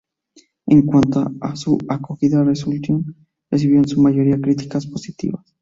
En cuanto a su acogida, "Resolution" recibió en su mayoría críticas positivas.